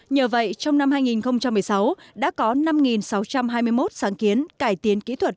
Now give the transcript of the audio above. nhờ vậy trong năm hai nghìn một mươi sáu đã có năm sáu trăm hai mươi một sáng kiến cải tiến kỹ thuật